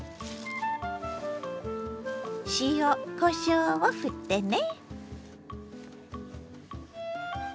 塩こしょうをふってね。